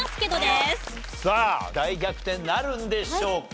さあ大逆転なるんでしょうか？